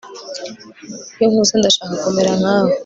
Iyo nkuze ndashaka kumera nkawe